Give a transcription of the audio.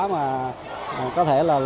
mà có thể là